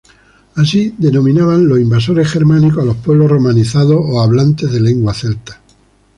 Así denominaban los invasores germánicos a los pueblos romanizados o hablantes de lenguas celtas.